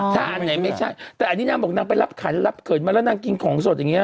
ถ้าอันไหนไม่ใช่แต่อันนี้นางบอกนางไปรับขันรับเขินมาแล้วนางกินของสดอย่างนี้